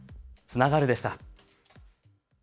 つながるでした。